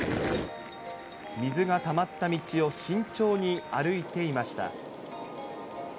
水がたまった道を慎重に歩いていました。